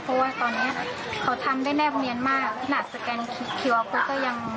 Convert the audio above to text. เพราะว่าตอนนี้เขาทำได้แนบเนียนมากขนาดสแกนคิวออฟก็ยัง